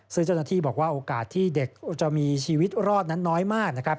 ซึ่งเจ้าหน้าที่บอกว่าโอกาสที่เด็กจะมีชีวิตรอดนั้นน้อยมากนะครับ